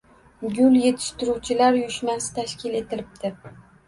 Gul yetishtiruvchilar uyushmasi tashkil etilibdi.